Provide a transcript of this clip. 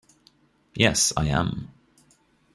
Yes, I am.